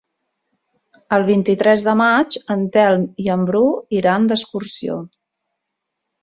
El vint-i-tres de maig en Telm i en Bru iran d'excursió.